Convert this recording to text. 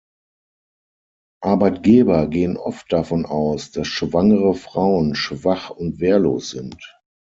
Arbeitgeber gehen oft davon aus, dass schwangere Frauen schwach und wehrlos sind.